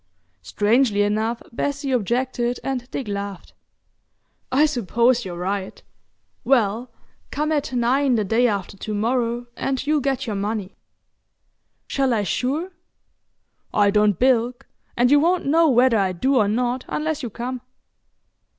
Strangely enough, Bessie objected and Dick laughed. "I suppose you're right. Well, come at nine the day after to morrow and you'll get your money." "Shall I sure?" "I don't bilk, and you won't know whether I do or not unless you come.